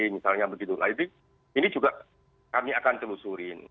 misalnya ini juga kami akan telusuri